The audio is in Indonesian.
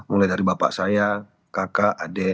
mulai dari bapak saya kakak adik